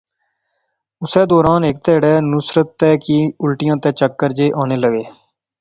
اسے دوران ہیک تہاڑے نصرتا کی الٹیاں تے چکر جئے اینے لاغے